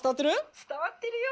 「伝わってるよ。